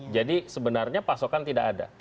jadi sebenarnya pasokan tidak ada